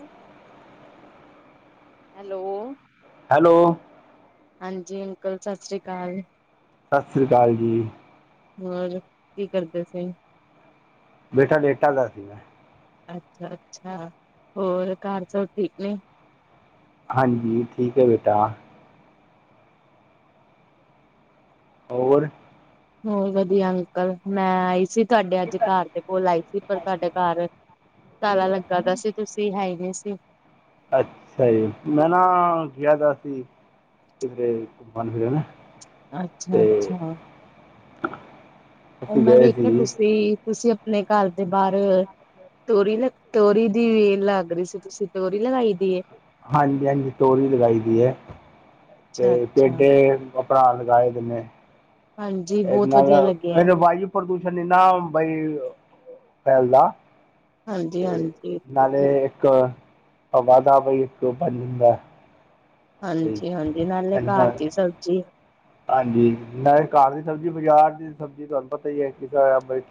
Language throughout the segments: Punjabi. ਉਹ ਹੈਲੋ, ਹੈਲੋ, ਹਾਂਜੀ ਅੰਕਲ, ਸਤਿ ਸ਼੍ਰੀ ਅਕਾਲ। ਸਤਿ ਸ਼੍ਰੀ ਅਕਾਲ ਜੀ। ਹੋਰ ਕੀ ਕਰਦੇ ਸੀ। ਬੇਟਾ ਡੇਟਾ ਦਾ। ਅੱਛਾ- ਅੱਛਾ ਹੋਰ ਘਰ ਸਭ ਠੀਕ ਨੇ। ਹਾਂਜੀ, ਠੀਕ ਹੈ ਬੇਟਾ। ਹੋਰ ਹੋਰ ਵਧੀਆ ਅੰਕਲ। ਮੈਂ ਆਈ ਸੀ ਤੁਹਾਡੇ ਅੱਜ ਘਰ ਦੇ ਕੋਲ ਆਈ ਸੀ। ਪਰ ਤੁਹਾਡੇ ਘਰ ਤਾਲਾ ਲੱਗਾ ਦਾ ਸੀ ਤੁਸੀਂ ਹੈ ਨਹੀਂ ਸੀ। ਅੱਛਾ ਜੀ। ਮੈਂ ਨਾ ਕਿਹਾ ਦਾ ਸੀ। ਕਿਧਰੇ ਕੰਮ ਤੇ ਜਾਣਾ। ਅੱਛਾ -ਅੱਛਾ। [inaudible] ਉਹ ਮੈਂ ਗਏ ਵੇਖਿਆ ਸੀ ਤੁਸੀਂ, ਤੁਸੀਂ ਆਪਣੇ ਘਰ ਦੇ ਬਾਹਰ ਤੋਰੀ ਲ ਤੋਰੀ ਦੀ ਵੇਲ ਲੱਗ ਰਹੀ ਸੀ ਤੁਸੀਂ ਤੋਰੀ ਲਗਾਈ ਦੀ। ਹਾਂਜੀ- ਹਾਂਜੀ ਤੋਰੀ ਲਗਾਈ ਦੀ ਹੈ। ਤੇ ਅੱਛਾ ਅੱਛਾ। ਪੇਡੇ ਆਪਣਾ ਲਗਾਏ ਦਿੰਨੇ। ਹਾਂਜੀ ਇਹਦੇ ਬਹੁਤ ਵਧੀਆ ਨਾਲ ਲੱਗਿਆ ਇਹਨ ਪ੍ਰਦੂਸ਼ਣ ਇਨਾ ਬਈ ਫੈਲਦਾ। ਹਾਂਜੀ ਤੇ ਹਾਂਜੀ, ਬਿਲਕੁਲ ਨਾਲੇ ਠੀਕ। ਇੱਕ ਵਾਧਾ ਬਈ ਇੱਕ ਬਣ ਜਾਂਦਾ। ਬਈ ਹਾਂਜੀ-ਹਾਂਜੀ, ਨਾਲੇ ਇਹਦੇ ਘਰ ਨਾਲ ਦੀ ਸਬਜ਼ੀ ਹਾਂਜੀ, ਮੈਂ ਘਰ ਦੀ ਸਬਜ਼ੀ ਬਾਜ਼ਾਰ ਦੀ ਸਬਜ਼ੀ ਤੁਹਾਨੂੰ ਪਤਾ ਹੀ ਹੈ, ਕਿਸ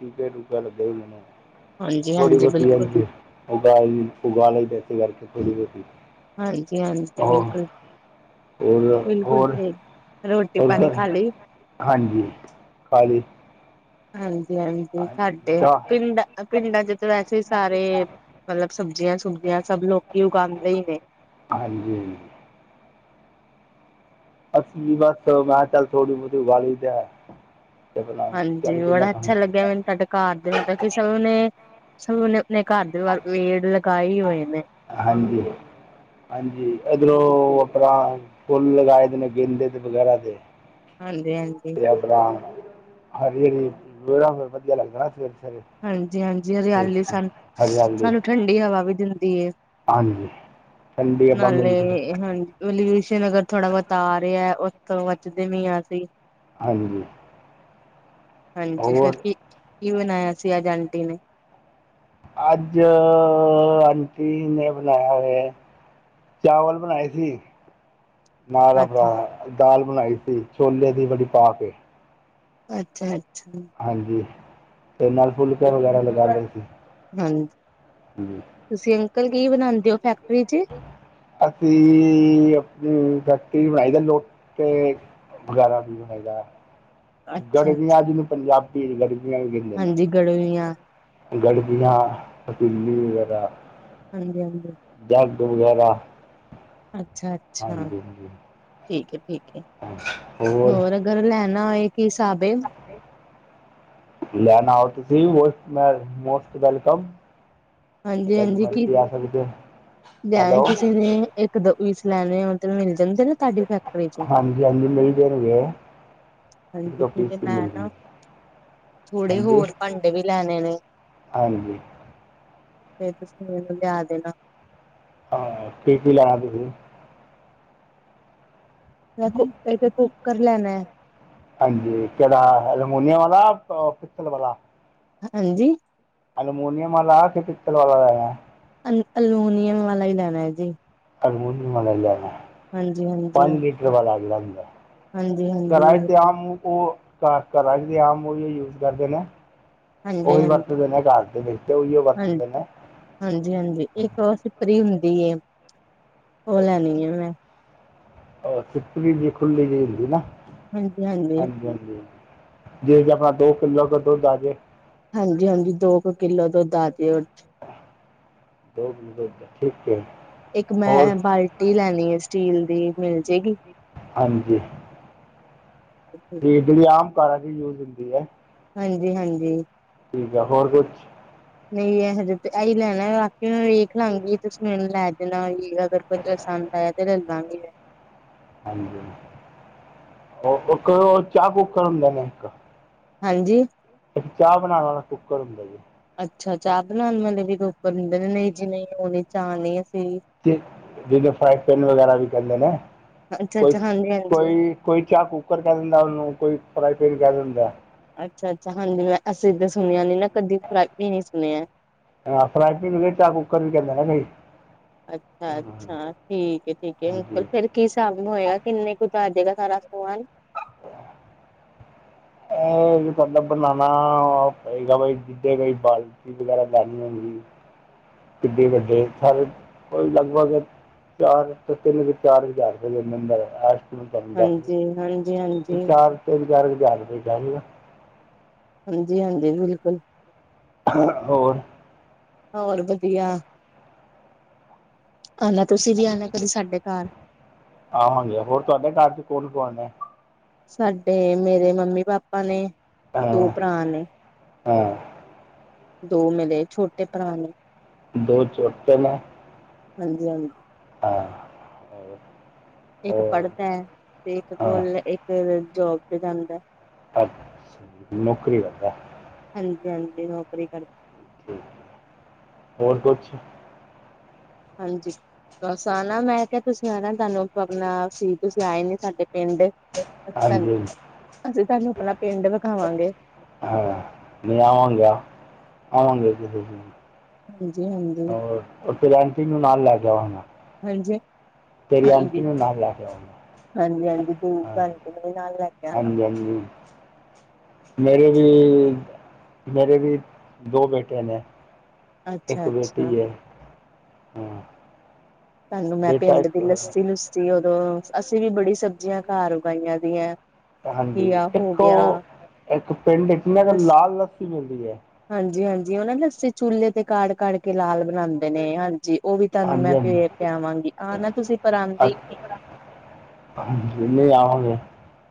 ਟੀਕੇ-ਟੂਕ ਲੱਗਿਆ ਹੀ ਨੇ। ਥੋੜੀ ਹਾਂਜੀ-ਹਾਂਜੀ ਬਹੁਤੀ ਬਿਲਕੁਲ, ਆਂਦੀ। ਉਗਾ- ਉਗਾ ਲ ਲਈ ਵੈਸੇ ਕਰਕੇ ਥੋੜੀ- ਬਹੁਤੀ। ਹਾਂਜੀ- ਹਾਂਜੀ, ਉਹ ਬਿਲਕੁਲ ਹੋਰ -ਬਿਲਕੁਲ, ਹੋਰ ਸਹੀ। ਹੋਰ ਰੋਟੀ-ਪਾਣੀ ਘਰ ਖਾ ਲਈ। ਹਾਂਜੀ, ਖਾਲੀ। ਦਾ ਹਾਂਜੀ-ਹਾਂਜੀ, ਹਾਂਜੀ ਸਾਡੇ ਤਾਂ ਪਿੰਡ ਪਿੰਡਾਂ ਚ ਤਾਂ ਵੈਸੇ ਹੀ ਸਾਰੇ ਮਤਲਬ ਸਬਜ਼ੀਆਂ-ਸੁਬਜੀਆਂ ਸਭ ਲੋਕੀ ਉਗਾਉਂਦੇ ਹੀ ਨੇ। ਹਾਂਜੀ। ਅੱਸੀ ਬਸ ਮੈਂ ਚੱਲ ਥੋੜੀ-ਬਹੁਤੀ ਉਗਾ ਲਈ ਦਾ ਆ। ਹਾਂਜੀ, ਬੜਾ ਅੱਛਾ ਲੱਗਿਆ ਮੈਨੂੰ ਤੁਹਾਡਾ ਘਰ ਦੇ ਮਤਲਬ ਕਿ ਸਭ ਨੇ- ਸਭ ਨੇ ਆਪਣੇ ਘਰ ਦੇ ਪੇੜ ਲਗਾਏ ਹੋਏ ਨੇ। ਹਾਂਜੀ। ਹਾਂਜੀ, ਇਧਰੋਂ ਆਪਣਾ ਫੁੱਲ ਲਗਾਏ ਦੇ ਨੇ ਗੇਂਦੇ ਦੇ ਵਗੈਰਾ ਦੇ। ਹਾਂਜੀ-ਹਾਂਜੀ। ਆਪਣਾ ਹਰੀ-ਹਰੀ ਵਿਹੜਾ ਫਿਰ ਵਧੀਆ ਲੱਗਦਾ ਸਵੇਰੇ-ਸਵੇਰੇ। ਹਾਂਜੀ-ਹਾਂਜੀ, ਹਰਿਆਲੀ ਪਸੰ ਹਰਿਆਲੀ ਠੰਡੀ ਹਵਾ ਵੀ ਦਿੰਦੀ ਹੈ ਹਾਂਜੀ ਠੰਡੀ ਹਵਾ ਨਾਲੇ ਮਿਲਦੀ ਹਾਂਜੀ। ਪੋਲਿਊਸ਼ਨ ਅਗਰ ਥੋੜਾ-ਬਹੁਤਾ ਆ ਰਿਹਾ ਉੱਥੋਂ ਬਚਦੇ ਵੀ ਹਾ ਹਸੀਂ। ਹਾਂਜੀ। ਹਾਂਜੀ, ਫਿਰ ਹੋਰ ਕੀ ਕੀ ਬਣਾਇਆ ਸੀ ਅੱਜ ਆਂਟੀ ਨੇ? ਅੱਜ ਆਂਟੀ ਨੇ ਬਣਾਇਆ ਹੋਇਆ ਚਾਵਲ ਬਣਾਏ ਸੀ। ਨਾਲ ਆਪਣਾ ਅੱਛਾ ਦਾਲ ਬਣਾਈ ਸੀ, ਛੋਲੇ ਦੀ ਬੜੀ ਪਾਕੇ। ਅੱਛਾ-ਅੱਛਾ। ਹਾਂਜੀ, ਤੇ ਨਾਲ ਫੁਲਕਾ ਵਗੈਰਾ ਲਗਾ ਲਏ ਸੀ। ਹਾਂਜੀ, ਜੀ। ਤੁਸੀਂ ਅੰਕਲ ਕੀ ਬਣਾਉਂਦੇ ਹੋ ਫੈਕਟਰੀ ਚ? ਅਸੀਂ ਆਪਣੀ ਫੈਕਟਰੀ ਚੋ ਬਣਾਈ ਦੇ ਲੋਟ ਵਗੈਰਾ ਵੀ ਬਣਾਈਦਾ। ਅੱਛਾ ਅੱਛਾ ਗੜਬੀਆਂ, ਜਿਹਨੂੰ ਪੰਜਾਬੀ ਗੜਬੀਆਂ ਵੀ ਕਹਿੰਦੇ ਹਾਂਜੀ ਗੜਵੀਆਂ ਨੇ। ਗੜਜੀਆਂ, ਪਤੀਲੀ ਵਗੈਰਾ। ਹਾਂਜੀ-ਹਾਂਜੀ। ਜੱਗ ਵਗੈਰਾ। ਅੱਛਾ-ਅੱਛਾ, ਹਾਂਜੀ ਹਾਂਜੀ ਠੀਕ ਹੈ-ਠੀਕ ਹੈ, ਹੋਰ ਅਗਰ ਲੈਣਾ ਹੋਏ ਕੀ ਹਿਸਾਬ ਹੇ? ਲੈਣਾ ਹੋ ਤੁਸੀਂ ਮੋਸਟ ਵੈਲਕਮ। ਜਦ ਹਾਂਜੀ-ਹਾਂਜੀ ਕਿ ਮਰਜ਼ੀ ਆ ਸਕਦੇ ਹੋ ਲੈਣੇ ਹੈਲੋ ਕਿਸੇ ਨੇ ਇੱਕ ਪੀਸ ਲੈਣੇ ਹੋਣ। ਤੇ ਮਿਲ ਜਾਂਦੇ ਨੇ ਤੁਹਾਡੀ ਫੈਕਟਰੀ ਚੋ। ਹਾਂਜੀ ਹਾਂਜੀ ਮਿਲ ਜਾਣਗੇ ਇੱਕ ਹਾਂਜੀ, ਠੀਕ ਹੈ ਫੀਸ ਵੀ ਮੈਂ ਮਿਲ ਗਈ ਨਾ ਥੋੜੇ ਹਾਂਜੀ ਹੋਰ ਭਾਂਡੇ ਵੀ ਲੈਣੇ ਨੇ। ਹਾਂਜੀ। ਫੇਰ ਤੁਸੀਂ ਮੈਨੂੰ ਲਿਆ ਦੇਣਾ। ਹਾਂ, ਕੀ- ਕੀ ਲੈਣਾ ਤੁਸੀਂ? ਮੈ ਤਾਂ ਇੱਕ ਕੁੱਕਰ ਲੈਣਾ। ਹਾਂਜੀ, ਕਿਹੜਾ ਅਲਮੋਨੀਮ ਵਾਲਾ, ਪਿਕਸਲ ਵਾਲਾ? ਹਾਂਜੀ। ਅਲੂਮੋਨੀਅਮ ਵਾਲਾ, ਕੇ ਪਿਕਸਲ ਵਾਲਾ ਲੈਣਾ। ਅ ਅਲੂਨੀਅਮ ਵਾਲਾ ਹੀ ਲੈਣਾ ਹੈ ਜੀ। ਐਲਮਯੂਨੀਅਮ ਵਾਲਾ ਹੀ ਲੈਣਾ। ਹਾਂਜੀ, ਹਾਂਜੀ। ਵਾ ਲਗ ਜਾਦਾ ਹਾਂਜੀ ਹਾਂਜੀ ਹਾਂਜੀ ਘਰਾ ਵਿਚ ਤੇ ਹਾਂਜੀ ਆਮ ਉਹ ਘ ਘਰਾ ਚ ਜਿਹੜੇ ਆਮ ਉਹ ਵੀ ਯੂਜ ਕਰਦੇ ਨੇ ਉਹੀ ਵਰਤਦੇ ਨੇ ਘਾਰ ਦੇ ਵਿੱਚ ਉਹੀ ਉਹ ਹਾਂਜੀ ਵਰਤਦੇ ਨੇ ਹਾਂਜੀ ਹਾਂਜੀ, ਇੱਕ ਓਹ ਸਿਪਰੀ ਹੁੰਦੀ ਏ, ਓਹ ਲੈਣੀ ਏ ਮੈਂ। ਅ ਸਿੱਪਰੀ ਜੀ ਖੁੱਲੀ ਜੀ ਹੁੰਦੀ ਨਾ। ਹਾਂਜੀ ਹਾਂਜੀ, ਜਿਦੇ ਜ ਅਪਣਾ ਦੋ ਕਿੱਲੋ ਕ ਦੁੱਧ ਆਜੇ। ਹਾਂਜੀ ਹਾਂਜੀ, ਦੋ ਕ ਕਿੱਲੋ ਦੁੱਧ ਆਜੇ ਓਦੇ ਚ। ਦੋ ਕਿਲੋ ਦੋੱਧ ਆ ਠੀਕ ਐ। ਇੱਕ ਮੈਂ ਬਾਲਟੀ ਲੈਣੀ ਏ ਸਟੀਲ ਦੀ ਮਿਲ ਜੇਗੀ? ਹਾਂਜੀ। [inaudible] ਕਿ ਜੇੜੀ ਆਮ ਘਰਾਂ ਚ ਯੂਜ ਹੁੰਦੀ ਐ। ਹਾਂਜੀ, ਹਾਂਜੀ। ਠੀਕ ਐ, ਹੋਰ ਕੁਛ? ਨਹੀਂ ਐ ਹਜੇ ਤੇ ਐਹੀ ਲੈਣਾ ਬਾਕੀੇ ਮੈਂ ਵੇਖ ਦੇਖ ਲਾਂਗੀ ਤੁਸੀਂ ਮੈਨੂੰ ਲੈ ਦੇਣਾ ਵੀ ਅਗਰ ਕੋਈ ਪਸੰਦ ਆਯਾ ਤੇ ਲ ਲਾਂਗੀ। ਹਾਂਜੀ, ਹੋ ਇੱਕ ਓ ਚਾਹ ਕੁਕਰ ਹੂੰਦੇ ਨੇ ਇੱਕ। ਹਾਂਜੀ। ਇੱਕ ਚਾਹ ਬਣਾਣ ਵਾਲਾ ਕੁੱਕਰ ਹੁੰਦਾ ਜੇ। ਅੱਛਾ ਚਾਹ ਬਣਾਣ ਵਾਲੇ ਵੀ ਕੁਕਰ ਹੁੰਦੇ ਨੇ ਨਹੀਂ ਜੀ ਨਹੀਂ ਓਹ ਨੀ ਚਾਹ ਨੀ ਅਸੀਂ ਤੇ ਜਿਦੇ ਫਰਾਈ ਪੈਨ ਵਗੈਰਾ ਵੀ ਕੈੰਦੇ ਨੇ। ਕੋਈ ਅੱਛਾ-ਅੱਛਾ, ਹਾਂਜੀ-ਹਾਂਜੀ। ਅੱਛਾ-ਅੱਛਾ, ਹਾਂਜੀ ਕੋਈ ਕੋਈ ਚਾਹ ਕੂੱਕਰ ਕੈ ਦਿੰਦੈ ਓਹਨੂੰ ਕੋਈ ਫਰਾਈ ਪੇਨ ਕੈ ਦਿੰਦੈ। ਅੱਛਾ ਅੱਛਾ, ਹਾਂਜੀ ਮੈਂ ਅਸੀਂ ਤੇ ਸੁਣਿਆ ਨੀ ਨਾ ਕਦੀ, ਫਰਾਈ ਪਿਨ ਹੀ ਸੁਣਿਐ। ਫਰਾਈ ਪੀਨ ਹੁੰਦੇ ਚਾ ਬ ਅੱਛਾ ਅੱਛਾ, ਠੀਕ ਹੈ ਠੀਕ ਹੈ ਅੰਕਲ ਹਾਂਜੀ ਫੇਰ ਕੀ ਸਾਬ ਹੋਏਗਾ ਕਿੰਨੇ ਕੁ ਚ ਆਜੇਗਾ ਸਾਰਾ ਸਮਾਨ? ਅਹ ਤੁਹਾਡਾ ਬਨਾਨਾ ਪਏਗਾ ਬਾਈ ਜਿੱਧੇਗਾ ਬਾਲ ਵਗੈਰਾ ਬਾਰੀ ਨਾ ਮਿਲੀ। [inaudible] ਕਿੱਡੇ ਵੱਡੇ ਸਾਰੇ ਲਗਭਗ ਚਾਰ ਤੋਂ ਤਿੰਨ ਕ ਚਾਰ ਹਜ਼ਾਰ ਰੁਪਏ ਦੇੰ ਅੰਦ ਅੰਦਰ ਐਸ ਮੈ ਤਾਨੂ ਦੱਸ ਹਾਂਜੀ-ਹਾਂਜੀ, ਦੀਆ, ਹਾਂਜੀ, ਚਾਰ ਤਿੰਨ ਚਾਰ ਕ ਹਜ਼ਾਰ ਰੁਪਏ ਚ ਆਜੇਗਾ। ਹਾਂਜੀ ਹਾਂਜੀ, ਬਿਲਕੁਲ। ਹ ਹੋਰ? ਹੋਰ ਵਧੀਆ। ਆਨਾ ਤੁਸੀਂ ਵੀ ਆਣਾ ਕਦੀ ਸਾਡੇ ਘਰ। ਆਵਾਂਗੇ, ਹੋਰ ਤੁਹਾਡੇ ਘਰ ਚ ਕੌਣ ਕੌਣ ਏ ਸਾਡੇ ਮੇਰੇ ਮੰਮੀ ਪਾਪਾ ਨੇ। ਹਾਂ। ਓਹ ਭਰਾ ਨੇ। ਹਾਂ ਦੋ ਮੇਰੇ ਛੋਟੇ ਭਰਾ ਨੇ। ਦੋ ਛੋਟੇ ਨੇ। ਹਾਂਜੀ ਹਾਂਜੀ। ਹਾਂ, ਹੋਰ? ਇੱਕ ਪੜ੍ਹਦੈ, ਤੇ ਇੱਕ ਹਾਂ ਕੋਲ ਇੱਕ ਜੋਬ ਤੇ ਜਾਂਦੈ। ਅੱਛਾ ਜੀ, ਨੌਕਰੀ ਕਰੱਦੈ। ਹਾਂਜੀ ਹਾਂਜੀ, ਨੌਕਰੀ ਕਰਦ ਹੋਰ ਕੁਛ? ਹਾਂਜੀ। ਬਸ ਆਣਾ ਮੈਂ ਕਿਹਾ ਤੁਸੀਂ ਆਣਾ ਤੁਹਾਨੂੰ ਪਬਨਾ ਸੀ ਤੁਸੀਂ ਆਏ ਨੀ ਸਾਡੇ ਪਿੰਡ। ਅਸੀਂ ਤੁਹਾਨੂੰ, ਹਾਂਜੀ ਅਸੀਂ ਤੁਹਾਨੂੰ ਅਪਣਾ ਪਿੰਡ ਵਿਖਾਵਾਂਗੇ। ਹਾ ਲੈ ਆਵਾਂਗਾ, ਆਵਾਂਗੇ ਜਰੂਰ। ਹਾਂਜੀ-ਹਾਂਜੀ। ਔਰ, ਔਰ ਫੇਰ ਆਂਟੀ ਨੂੰ ਨਾਲ ਲੈ ਕੇ ਆਵਾਂਗਾ। ਹਾਂਜੀ। ਤੇਰੀ ਆਂਟੀ ਨੂੰ ਨਾਲ ਲੈਂਕੇ ਆਵਾਂਗੇ। ਹਾਂਜੀ-ਹਾਂਜੀ ਦ ਭੈਣ ਜੀ ਨੂੰ ਵੀ ਨਾਲ ਲੈ ਕੇ ਆਣਾ ਹਾਂਜੀ-ਹਾਂਜੀ ਮੇਰੇ ਵੀ, ਮੇਰੇ ਵੀ ਦੋ ਬੇਟੇ ਨੇ। ਅੱਛਾ ਇੱਕ ਅੱਛਾ ਬੇਟੀ ਹੈ, ਹਾਂ। ਤੁਹਾਨੂੰ ਮੈਂ ਬੇਟਾ ਪਿੰਡ ਇੱਕ ਦੀ ਲੱਸੀ ਲੁੱਸੀ ਉਦੋਂ ਅਸੀਂ ਵੀ ਬੜੀ ਸਬਜ਼ੀਆਂ ਘਰ ਉਗਾਈਆਂ ਦੀਆਂ। ਹਾਂਜੀ ਘੀਆ ਹੋ ਇੱਕ ਗਿਆ ਉਹ, ਇੱਕ ਪਿੰਡ ਇੱਕ ਨਾ ਲਾਲ ਲੱਸੀ ਮਿਲਦੀ ਆ। ਹਾਂਜੀ-ਹਾਂਜੀ ਉਹ ਨਾ ਲੱਸੀ ਚੁੱਲ੍ਹੇ ਤੇ ਕਾੜ-ਕਾੜ ਕੇ ਲਾਲ ਬਣਾਉਂਦੇ ਨੇ ਹਾਂਜੀ। ਉਹ ਵੀ ਤੁਹਾਨੂੰ ਹਾਂਜੀ ਮੈਂ ਪੇ ਪਿਆਵਾਂਗੀ ਆਨਾ ਤੁਸੀਂ ਪਰ ਆਂਦੇ ਈ ਹਾਂਜੀ ਨਹੀਂ। ਨਹੀਂ ਆਵਾਂਗੇ,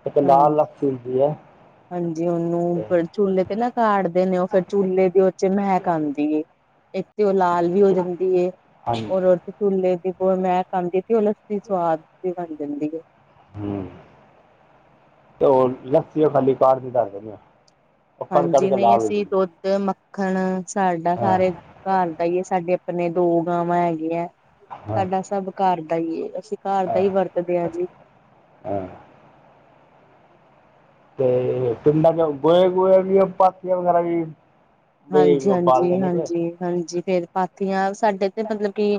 ਇੱਕ ਲਾਲ ਹਾਂ ਲੱਸੀ ਹੁੰਦੀ ਆ। ਹਾਂਜੀ ਉਹਨੂੰ ਚੂਲੇ ਤੇ ਨਾ ਕਾੜ ਦੇ ਨੇ ਉਹ ਫੇਰ ਚੁੱਲ੍ਹੇ ਦੀ ਉਹ ਚ ਮਹਿਕ ਆਉਂਦੀ ਏ। ਇੱਕ ਤੇ ਉਹ ਲਾਲ ਵੀ ਹੋ ਜਾਂਦੀ ਏ। ਹਾਂਜੀ ਉਹ ਚੁਲੇ ਦੀ ਬ ਮੈਂ ਖਾਂਦੀ ਸੀ ਉਹ ਲੱਸੀ ਸਵਾਦ ਵੀ ਬਣ ਜਾਂਦੀ ਏ। ਹੂੰ, ਤੇ ਉਹ ਲੱਸੀ ਉਹ ਖਾਲੀ ਕਾੜ ਦੀ ਦੱਸ ਦੇਣੀ ਆ। ਉਹ ਕੜ ਕੜ ਹਾਂਜੀ ਕੇ ਨਹੀਂ ਲਾਲ ਹੋ ਅਸੀਂ ਜਾਂਦੀ ਦੁੱਧ, ਮੱਖਣ ਸਾਡਾ ਹੈ ਸਾਰੇ ਹਾਂ ਘਰ ਦਾ ਹੀ ਹੈ ਸਾਡੇ ਆਪਣੇ ਦੋ ਗਾਵਾਂ ਹੈਗੀਆ ਹਾਂ ਸਾਡਾ ਸਭ ਘਰ ਦਾ ਹੀ ਏ ਅਸੀਂ ਘਰ ਦਾ ਹੀ ਵਰਤਦੇ ਆ ਜੀ। ਹੂੰ ਤੇ ਪਿੰਡਾਂ ਚ ਗੋਹੇ ਗੋਹੇ ਵੀ ਪਾਥੀਆਂ ਵਗੈਰਾ ਵੀ ਬਈ ਹਾਂਜੀ-ਹਾਂਜੀ ਹਾਂਜੀ ਹਾਂਜੀ ਫੇਰ ਪਾਥੀਆਂ ਸਾਡੇ ਤੇ ਮਤਲਬ ਕਿ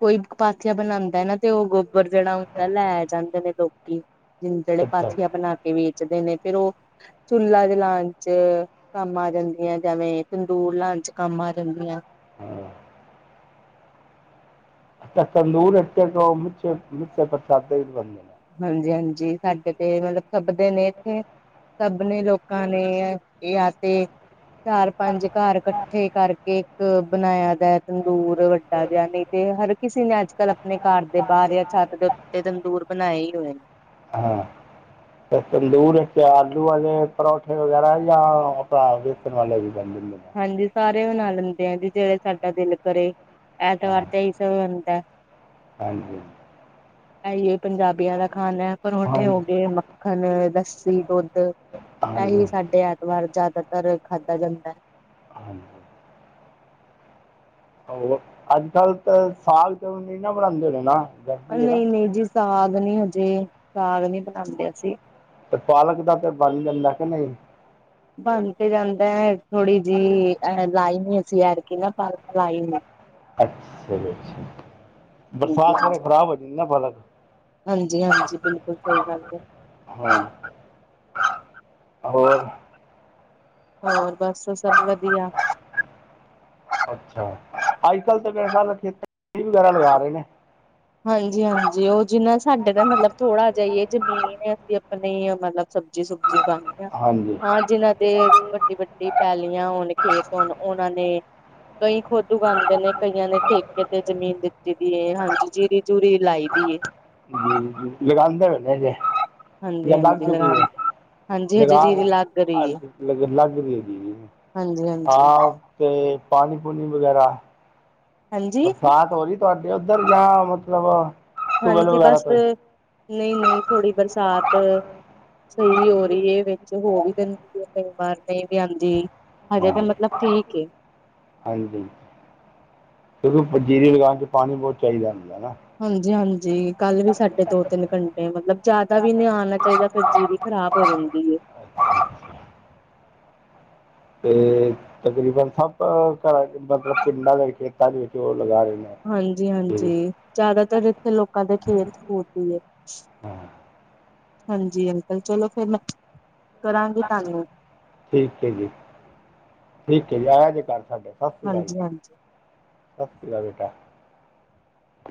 ਕੋਈ ਪਾਥੀਆ ਬਣਾਉਂਦਾ ਨਾ ਤੇ ਉਹ ਗੋਬਰ ਜਿਹੜਾ ਹੁੰਦਾ ਲੈ ਜਾਂਦੇ ਨੇ ਲੋਕੀ। ਜਿੰਨੀ ਜਿਹੜੇ ਪਾਥੀਆਂ ਬਣਾ ਕੇ ਵੇਚਦੇ ਨੇ ਫੇਰ ਉਹ ਚੁੱਲਾ ਜਲਾਣ ਚ ਕੰਮ ਆ ਜਾਂਦੀਆਂ ਜਿਵੇਂ ਤੰਦੂਰ ਲਾਉਣ ਚ ਕੰਮ ਆ ਜਾਂਦੀਆਂ। ਹੂੰ ਅੱਛਾ ਤੰਦੂਰ ਇਥੇ ਗਾਂਵ ਵਿੱਚ ਮਿੱਠੇ ਪ੍ਰਸਾਦੇ ਵੀ ਬਣਦੇ। ਹਾਂਜੀ-ਹਾਂਜੀ ਸਾਡੇ ਤੇ ਮਤਲਬ ਪਕਦੇ ਨੇ ਇੱਥੇ। ਸਭ ਨੇ ਲੋਕਾਂ ਨੇ ਇਹ ਯਾ ਤੇ ਚਾਰ ਪੰਜ ਘਰ ਕ ਇਕੱਠੇ ਕਰਕੇ ਇੱਕ ਬਣਾਇਆ ਦਾ ਤੰਦੂਰ ਵੱਡਾ ਜਾ ਨਹੀਂ ਤੇ ਹਰ ਕਿਸੇ ਨੇ ਅੱਜ ਕੱਲ ਆਪਣੇ ਘਰ ਦੇ ਬਾਹਰ ਜਾਂ ਛੱਤ ਦੇ ਉੱਤੇ ਤੰਦੂਰ ਬਣਾਏ ਹੀ ਹੋਏ ਨੇ। ਤੰਦੂਰ ਵਿੱਚ ਆਲੂ ਵਾਲੇ ਪਰੌਂਠੇ ਵਗੈਰਾ ਜਾਂ ਆਪਣਾ ਵੇਸਣ ਵਾਲੇ ਵੀ ਬਣਦੀ ਓ। ਹਾਂਜੀ ਸਾਰੇ ਬਣਾ ਲੈਂਦੇ ਆ ਜੀ ਜਿਹੜੇ ਸਾਡਾ ਦਿਲ ਕਰੇ, ਐਤਵਾਰ ਤਾਂ ਇਹੀ ਸਭ ਬਣਦਾ। ਹਾਂਜੀ। ਇਹੀ ਐ ਪੰਜਾਬੀਆਂ ਦਾ ਖਾਣਾ ਹੈ ਪਰ ਉੱਠੇ ਹੋ ਹਾਂਜੀ ਗਏ ਮੱਖਣ, ਲੱਸੀ, ਦੁੱਧ। ਹਾਂਜੀ ਇਹੀ ਸਾਡੇ ਐਤਵਾਰ ਜ਼ਿਆਦਾਤਰ ਖਾਧਾ ਜਾਂਦਾ। ਆ ਅੱਜ ਕੱਲ੍ਹ ਤਾਂ ਸਾਗ ਸੂਗ ਨੀ ਨਾ ਬਣਾਉਂਦੇ ਹੈਗੇ ਨਾ। ਗਰਮੀ ਹੈ ਨਾ ਨਹੀਂ-ਨਹੀਂ ਜੀ ਸਾਗ ਨਹੀਂ ਹਜੇ ਸਾਗ ਨਹੀਂ ਬਣਾਉਂਦੇ ਅਸੀਂ। ਤੇ ਪਾਲਕ ਦਾ ਤੇ ਬਣ ਜਾਂਦਾ ਕਿ ਨਹੀਂ? ਬਣ ਤੇ ਜਾਂਦਾ ਥੋੜ੍ਹੀ ਜਿਹੀ ਅ ਲਾਈ ਨਹੀਂ ਅਸੀਂ ਐਤਕੀ ਨਾ ਪਾਲਕ ਲਾਈ ਨੀ। ਅੱਛਾ, ਚਲੋ ਜੀ ਬਰਸਾਤ ਵੇਲੇ ਖ਼ਰਾਬ ਹੋ ਜਾਂਦੀ ਨਾ ਪਾਲਕ। ਹਾਂਜੀ-ਹਾਂਜੀ ਬਿਲਕੁਲ ਸਹੀ ਗੱਲ ਹੈ। ਹਾਂ ਹੋਰ ਹੋਰ ਬਸ ਸਭ ਵਧੀਆ। ਅੱਛਾ। ਅੱਜ ਕੱਲ ਤਾਂ ਮੇਰਾ ਖਿਆਲ, ਖੇਤ ਵਗੈਰਾ ਲਗਾ ਰਹੇ ਨੇ। ਹਾਂਜੀ- ਹਾਂਜੀ, ਉਹ ਜਿਨਾ ਸਾਡੇ ਦਾ ਮਤਲਬ, ਥੋੜਾ ਜਿਹਾ ਹੀ ਹੈ ਜ਼ਮੀਨ। ਅਸੀਂ ਆਪਣੀ ਹੀ ਮਤਲਬ। ਸਬਜ਼ੀ- ਸੁਬਜੀ ਗਾਉਂਦੀਆਂ ਆ। ਹਾਂਜੀ ਹਾਂ ਜਿਹਨਾਂ ਦੇ, ਵੱਡੀ ਵੱ। ਪੈਲੀਆਂ ਹੋੁਣ, ਖੇਸ ਹੁਣ, ਉਹਨਾਂ ਨੇ ਕਈ ਖੁਦ। ਉਗਾਉਂਦੇ ਨੇ, ਕਈਆਂ ਨੇ ਠੇਕੇ ਤੇ ਜ਼ਮੀਨ ਦਿੱਤੀ ਵੀ ਏ, ਹਾਂਜੀ। ਜੀਰੀ-ਜੂਰੀ ਲਾਈ ਦੀ ਏ। ਹੂੰ, ਲਗਾਉਂਦੇ ਹੋਦੇ ਹਜੇ। ਹਾਂਜੀ-ਹਾਂਜੀ, ਲਗਾਂਦੇ। ਲਗਾ ਰਹੇ, ਹਾਂਜੀ, ਲੱਗ ਰਹੀਂ ਏ ਜੀ। ਹਾਂਜੀ-ਹਾਂਜੀ ਹਾਂ। ਤੇ ਪਾਣੀ-ਪੂਣੀ ਵਗੈਰਾ? ਹਾਂਜੀ-ਹਾਂਜੀ ਬਰਸਾਤ ਹੋ ਰਹੀ, ਤੁਹਾਡੇ ਉੱਧਰ ਯਾ ਮਤਲਬ ਟੂਬਲ ਹਾਂਜੀ, ਵਗੈਰਾ ਬਸ, ਤੋਂ ਹੀ? ਨਹੀਂ-ਨਹੀਂ। ਥੋੜੀ ਬਰਸਾਤ, ਸਹੀ ਵੀ ਹੋ ਰਹੀ ਏ। ਹੋ ਵੀ ਦਿੰਦੀ ਹੈ, ਕਈ ਵਾਰ ਨਹੀਂ ਵੀ ਆਂਦੀ। ਹਜੇ ਤੇ ਹਾਂਜੀ ਮਤਲਬ ਠੀਕ ਏ। ਹਾਂਜੀ, ਤੇ ਜੀਰੀ ਲਗਾਉਣ ਚ, ਪਾਣੀ ਬਹੁਤ ਚਾਹੀਦਾ ਹੁੰਦਾ ਨਾ। ਹਾਂਜੀ-ਹਾਂਜੀ, ਕੱਲ ਵੀ ਸਾਡੇ ਦੋ, ਤਿੰਨ ਘੰਟੇ ਮਤਲਬ ਜ਼ਿਆਦਾ ਵੀ, ਨਹੀਂ ਆਉਣਾ ਚਾਹੀਦਾ ਫੇਰ ਜੀਰੀ ਖਰਾਬ, ਹੋ ਜਾਂਦੀ ਏ। ਤੇ ਤਕਰੀਬਨ ਸਭ, ਅ ਘਰਾਂ ਚ, ਮਤਲਬ ਪਿੰਡਾਂ ਦੇ ਠੇਕਾ ਦੇ ਕੇ, ਉਹ ਲਗਾ ਰਹੇ ਨੇ। ਜੀ ਹਾਂਜੀ-ਹਾਂਜੀ, ਜ਼ਿਆਦਾਤਰ ਇੱਥੇ ਲੋਕਾਂ ਦੇ ਖੇਤ-ਖੂਤ ਹੀ ਏ। ਹਾਂ ਹਾਂਜੀ ਅੰਕਲ। ਚਲੋ ਫੇਰ ਮੈਂ, ਕਰਾਂਗੀ ਤੁਹਾਨੂੰ। ਠੀਕ ਹੈ ਜੀ, ਠੀਕ ਹੈ ਜੀ। ਆਇਆ ਜੇ ਘਰ ਸਾਡੇ। ਸਤਿ ਸ੍ਰੀ ਅਕਾਲ ਜੀ। ਹਾਂਜੀ-ਹਾਂਜੀ ਸਾਸ੍ਰੀਕਾਲ ਬੇਟਾ।